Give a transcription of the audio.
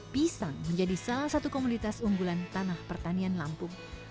pisang menjadi salah satu komunitas unggulan tanah pertanian lampung